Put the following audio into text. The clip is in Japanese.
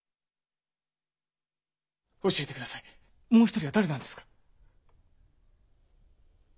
教えて下さいもう一人は誰なんですか？